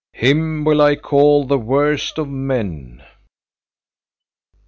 Him will I call the worst of men."